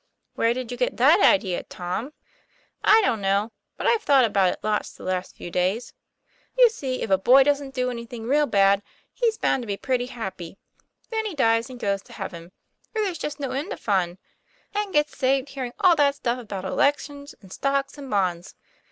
" Where did you get that idea, Tom ?" "I don't know, but I've thought about it lots the last few days. You see, if a boy doesn't do any thing real bad, he's bound to be pretty happy; then he dies and goes to heaven, where there's just no end of fun, and gets saved hearing all that stuff about elections and stocks and bonds."